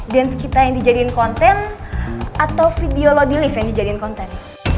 dance kita yang dijadiin konten atau video lo di live yang dijadiin konten